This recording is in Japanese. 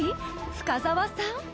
深澤さん］